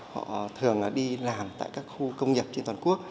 họ thường đi làm tại các khu công nghiệp trên toàn quốc